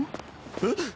えっ？